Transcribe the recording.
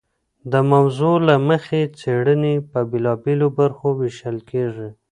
د موضوع له مخي څېړني په بیلابیلو برخو ویشل کیږي.